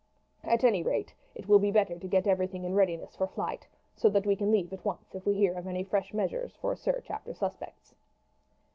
At any rate it will be better to get everything in readiness for flight, so that we can leave at once if we hear of any fresh measures for a search after suspects."